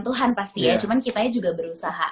tuhan pasti ya cuman kita juga berusaha